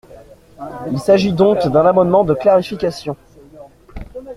Il s’agit donc d’un amendement de clarification.